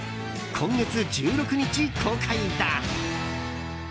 今月１６日、公開だ！